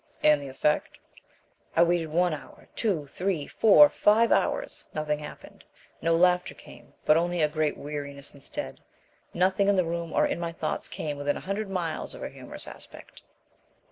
"And the effect?" "I waited one hour, two, three, four, five hours. Nothing happened. No laughter came, but only a great weariness instead. Nothing in the room or in my thoughts came within a hundred miles of a humorous aspect."